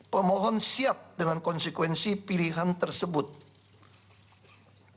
pemohon siap dengan konsekuensi pilihan tersebut